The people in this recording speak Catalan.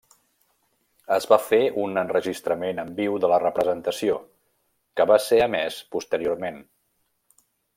Es va fer un enregistrament en viu de la representació, que va ser emès posteriorment.